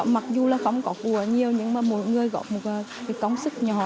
mặc dù là không có bùa nhiều nhưng mà mỗi người góp một công sức nhỏ